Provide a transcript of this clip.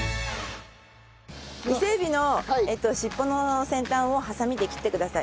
伊勢エビの尻尾の先端をハサミで切ってください。